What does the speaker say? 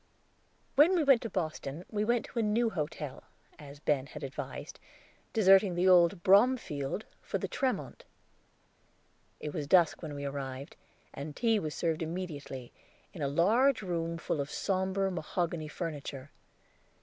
When we went to Boston we went to a new hotel, as Ben had advised, deserting the old Bromfield for the Tremont. It was dusk when we arrived, and tea was served immediately, in a large room full of somber mahogany furniture.